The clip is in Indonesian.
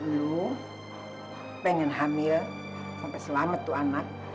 lu pengen hamil sampai selamat tuh anak